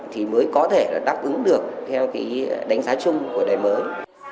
thì mới có thể là đáp ứng được theo cái đánh giá chung của đề mới